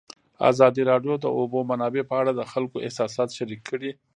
ازادي راډیو د د اوبو منابع په اړه د خلکو احساسات شریک کړي.